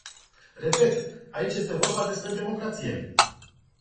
Repet, aici este vorba despre democrație.